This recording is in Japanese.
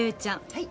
はい。